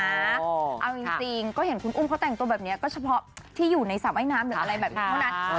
เอาจริงก็เห็นคุณอุ้มเขาแต่งตัวแบบนี้ก็เฉพาะที่อยู่ในสระว่ายน้ำหรืออะไรแบบนี้เท่านั้น